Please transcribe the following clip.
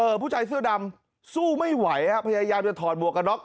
ผู้ชายเสื้อดำสู้ไม่ไหวฮะพยายามจะถอดหมวกกระน็อก